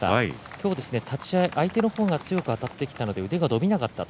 今日、立ち合い相手の方が強くあたってきたので腕が伸びなかった。